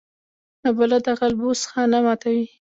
نابلده غل بوس خانه ماتوي